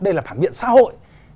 đây là phản biện xã hội